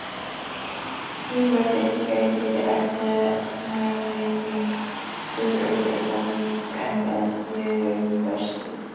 He was educated at the Norwegian School of Economics and at Yale University.